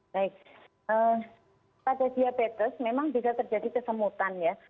baik pada diabetes memang bisa terjadi kesemutan ya